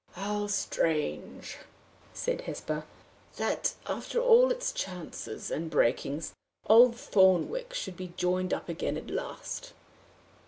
"How strange," said Hesper, "that after all its chances and breakings, old Thornwick should be joined up again at last!"